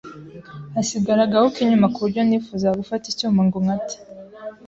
hasigara agahu k’inyuma ku buryo nifuzaga gufata icyuma ngo nkate